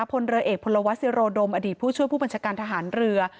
พลเรือเอกพลวัสิโรดมอดีตผู้ช่วยผู้บัญชาการทหารเรือ